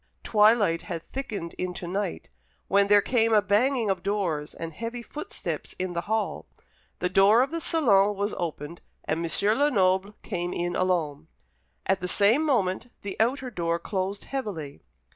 Twilight had thickened into night, when there came a banging of doors and heavy footsteps in the hall. The door of the salon was opened, and M. Lenoble came in alone. At the same moment the outer door closed heavily.